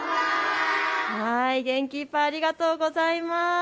元気いっぱい、ありがとうございます。